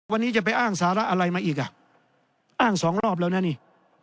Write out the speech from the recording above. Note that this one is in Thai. วันนี้จะไปอ้างสาระอะไรมาอีกอ่ะอ้างสองรอบแล้วนะนี่